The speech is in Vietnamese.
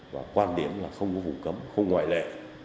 và quan điểm là không có vùng cấm không ngoại lệ